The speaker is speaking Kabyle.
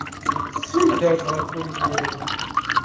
Ssudneɣ-tt ɣef wenyir.